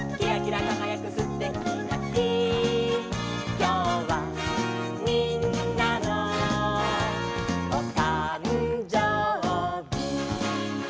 「きょうはみんなのおたんじょうび」